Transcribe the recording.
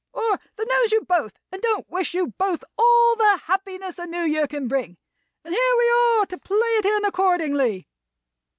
Or that knows you both and don't wish you both all the happiness the New Year can bring. And here we are, to play it in accordingly."